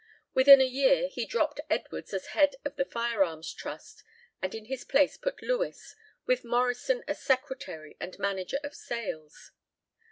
Within a year he dropped Edwards as head of the firearms trust and in his place put Lewis, with Morrison as secretary and manager of sales.